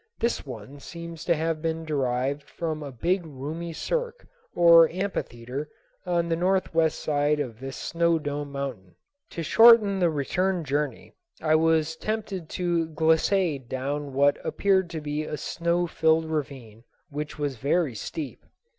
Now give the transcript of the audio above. This one seems to have been derived from a big roomy cirque or amphitheatre on the northwest side of this Snow Dome Mountain. To shorten the return journey I was tempted to glissade down what appeared to be a snow filled ravine, which was very steep.